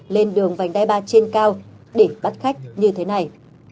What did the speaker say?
lên đường vành đai ba trên cao để bắt khách như thế này